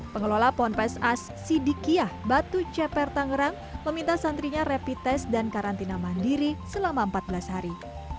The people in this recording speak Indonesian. pengelola ponpes as sidikiyah batu cepertangerang meminta santrinya repit tes dan karantina mandiri selama empat belas hari